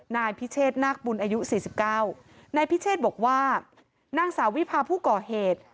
นายพิเชษนาคบุญอายุสี่สิบเก้านายพิเชษบอกว่านางสาววิพาผู้ก่อเหตุ